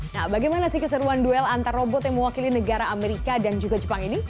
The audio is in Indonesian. nah bagaimana sih keseruan duel antar robot yang mewakili negara amerika dan juga jepang ini